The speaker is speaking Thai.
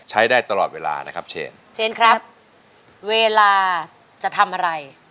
ใช้ได้ตลอดเวลานะครับเชนเชนครับเวลาจะทำอะไร